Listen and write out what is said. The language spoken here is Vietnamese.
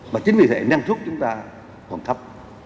mà chính vì thế năng suất chúng ta còn thấp